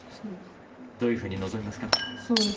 どういうふうに臨みますか？